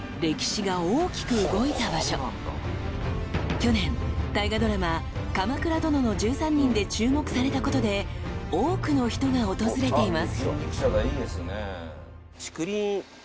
［去年大河ドラマ『鎌倉殿の１３人』で注目されたことで多くの人が訪れています］